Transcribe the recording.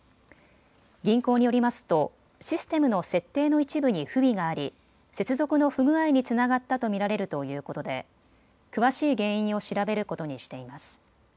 銀行によりますとシステムの設定の一部に不備があり接続の不具合につながったと見られるということで詳しい原因を調べることにしています。